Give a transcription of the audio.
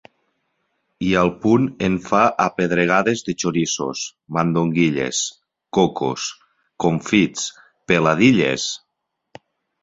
I al punt en fa apedregades de xoriços, mandonguilles, cocos, confits, peladilles!